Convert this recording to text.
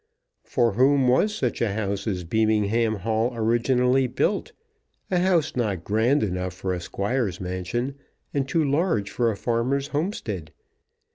For whom was such a house as Beamingham Hall originally built, a house not grand enough for a squire's mansion, and too large for a farmer's homestead?